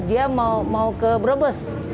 dia mau ke brebes